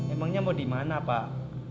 emangnya mau di mana pak